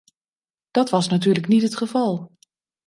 Dat was natuurlijk niet het geval.